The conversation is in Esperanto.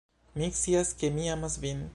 Mi scias ke mi amas vin.